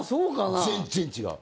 全然違う。